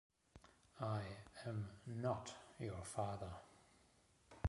I am "not" your father!